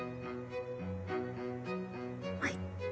はい。